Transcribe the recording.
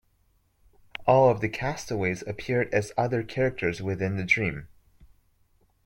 All of the castaways appeared as other characters within the dream.